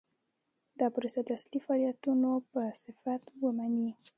دا پروسه د اصلي فعالیتونو په صفت ومني.